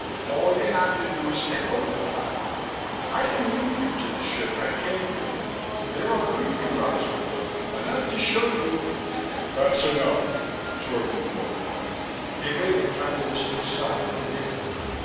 All you have to do is take over the power. I can lead you to the ship I came here in. There are briefing rods aboard, enough to show you " "That's enough," Torbu broke in. He made a cabalistic sign in the air.